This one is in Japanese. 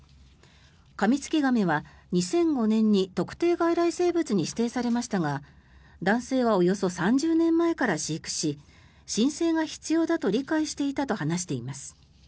カミツキガメは２００５年に特定外来生物に指定されましたが男性はおよそ３０年前から飼育し申請が必要だと理解していたと話しています。